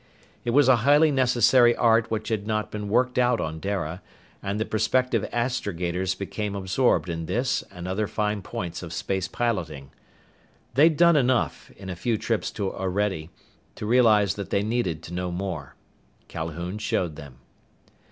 It was a highly necessary art which had not been worked out on Dara, and the prospective astrogators became absorbed in this and other fine points of space piloting. They'd done enough, in a few trips to Orede, to realize that they needed to know more. Calhoun showed them.